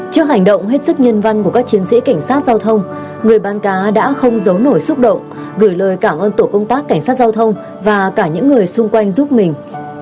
trước hành động hết sức nhân văn của các chiến sĩ cảnh sát giao thông người bán cá đã không giấu nổi xúc động gửi lời cảm ơn tổ công tác cảnh sát giao thông và cả những người xung quanh giúp mình